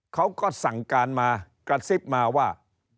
เขาก็สั่งการมากระซิบมาว่า